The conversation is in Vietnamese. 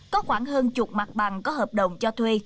có khoảng hơn chục mặt bằng có hợp đồng cho thuê